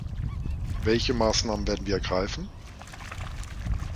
Welche Maßnahmen werden wir ergreifen?